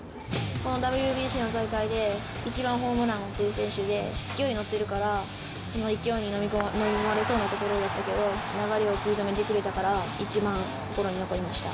このＷＢＣの大会で、一番ホームランを打ってる選手で勢いに乗ってるから、その勢いにのみ込まれそうなところだったけど、流れを食い止めてくれたから、一番心に残りました。